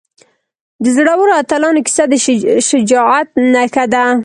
د زړورو اتلانو کیسه د شجاعت نښه ده.